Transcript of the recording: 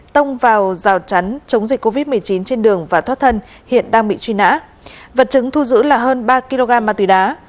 tông vào rào chắn chống dịch covid một mươi chín trên đường và thoát thân hiện đang bị truy nã vật chứng thu giữ là hơn ba kg ma túy đá